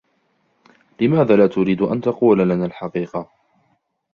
لماذا لا تريد أن تقول لنا الحقيقة؟